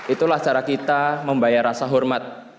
itulah cara kita membayar rasa hormat